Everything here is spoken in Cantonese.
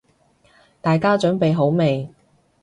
大家準備好未？